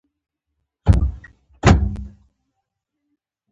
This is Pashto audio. پاکوالی او نظم د ژوند د ښکلا نښه ده.